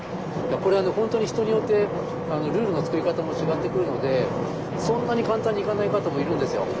これ本当に人によってルールの作り方も違ってくるのでそんなに簡単にいかない方もいるんですよ。